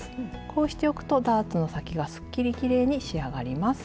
こうしておくとダーツの先がすっきりきれいに仕上がります。